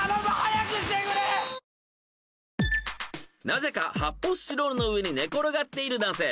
［なぜか発泡スチロールの上に寝転がっている男性］